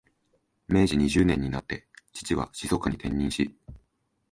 明治二十年になって、父は静岡に転任し、